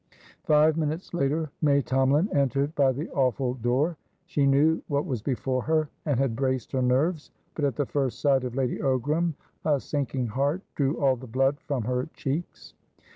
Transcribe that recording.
Five minutes later, May Tomalin entered by the awful door. She knew what was before her, and had braced her nerves, but at the first sight of Lady Ogram a sinking heart drew all the blood from her checks.